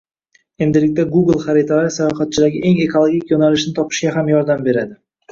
Endilikda "Google" xaritalari sayohatchilarga eng ekologik yo‘nalishni topishga ham yordam beradi